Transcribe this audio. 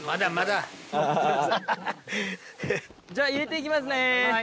じゃあ入れて行きますね。